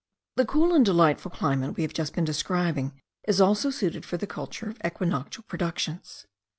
The cool and delightful climate we have just been describing is also suited for the culture of equinoctial productions.